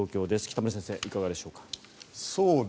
北村先生、いかがでしょうか。